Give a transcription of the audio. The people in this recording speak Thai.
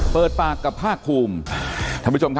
เปิดปากกับภาคภูมิท่านผู้ชมครับ